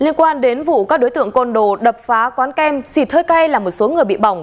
liên quan đến vụ các đối tượng côn đồ đập phá quán kem xịt hơi cay là một số người bị bỏng